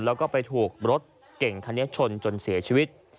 แล้วก็ไปถูกรถเก่งคันนี้ชนจนเสียชีวิต